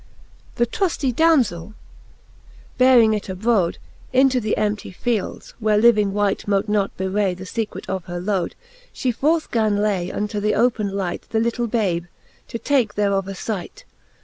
VII. The truftie damzell bearing it abrode Into the emptie fields, where living wight Mote not bewray the fecret of her lode. She forth gan lay unto the open light The litle babe, to take thereof a fight.